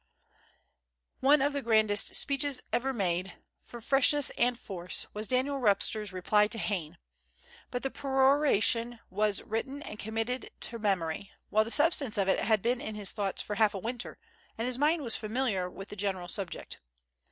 One of the grandest speeches ever made, for freshness and force, was Daniel Webster's reply to Hayne; but the peroration was written and committed to memory, while the substance of it had been in his thoughts for half a winter, and his mind was familiar with the general subject.